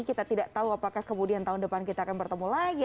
kita tidak tahu apakah kemudian tahun depan kita akan bertemu lagi